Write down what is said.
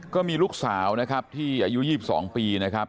ก็มีลูกสาวนะครับที่อายุ๒๒ปีนะครับ